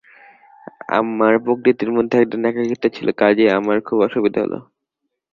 আমার প্রকৃতির মধ্যে একধরনের একাকীত্ব ছিল, কাজেই আমার খুব অসুবিধা হল না।